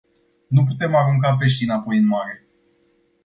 Nu putem arunca peștii înapoi în mare.